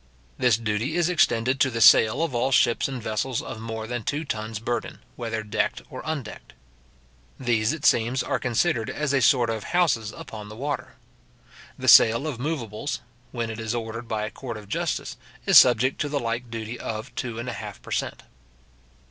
This duty is extended to the sale of all ships and vessels of more than two tons burden, whether decked or undecked. These, it seems, are considered as a sort of houses upon the water. The sale of moveables, when it is ordered by a court of justice, is subject to the like duty of two and a half per cent.